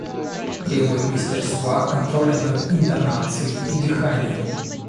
Требует мастерства, контроля над интонацией и дыханием.